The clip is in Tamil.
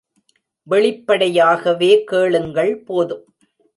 வெளிப்படையாகவே கேளுங்கள் போதும்.